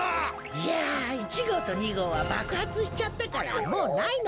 いや１ごうと２ごうはばくはつしちゃったからもうないのだ。